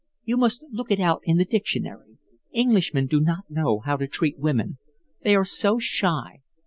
"You must look it out in the dictionary. Englishmen do not know how to treat women. They are so shy.